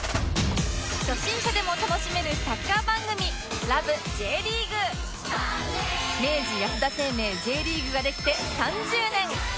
初心者でも楽しめるサッカー番組明治安田生命 Ｊ リーグができて３０年！